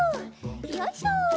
よいしょ。